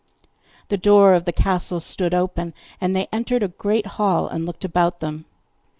The door of the castle stood open, and they entered a great hall, and looked about them.